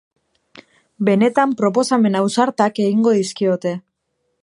Benetan proposamen ausartak egingo dizkiote.